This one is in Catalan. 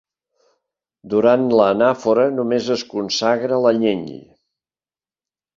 Durant l'Anàfora, només es consagra l'Anyell.